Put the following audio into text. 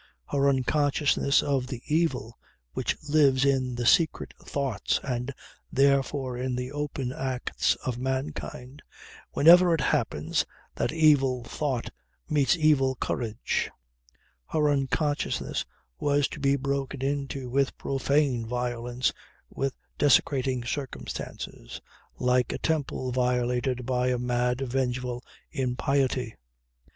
Her unconsciousness of the evil which lives in the secret thoughts and therefore in the open acts of mankind, whenever it happens that evil thought meets evil courage; her unconsciousness was to be broken into with profane violence with desecrating circumstances, like a temple violated by a mad, vengeful impiety.